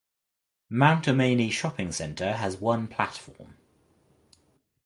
Mount Ommaney Shopping Centre has one platform.